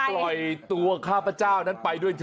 ปล่อยตัวข้าพเจ้านั้นไปด้วยเถ